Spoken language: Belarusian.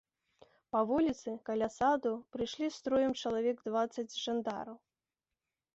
Па вуліцы, каля саду, прайшлі строем чалавек дваццаць жандараў.